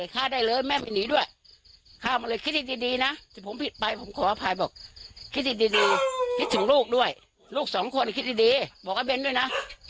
คิดถึงลูกด้วยลูกสองคนคิดดีบอกว่าเบนด้วยนะ